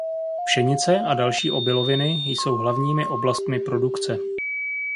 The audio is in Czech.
Pšenice a další obiloviny jsou hlavními oblastmi produkce.